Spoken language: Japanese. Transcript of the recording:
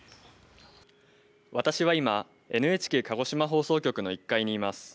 私は今、ＮＨＫ鹿児島放送局の１階にいます。